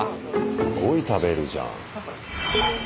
すごい食べるじゃん。